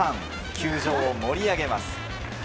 球場を盛り上げます。